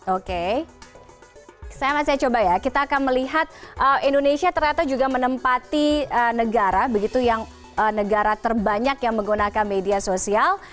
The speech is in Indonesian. oke saya masih coba ya kita akan melihat indonesia ternyata juga menempati negara begitu yang negara terbanyak yang menggunakan media sosial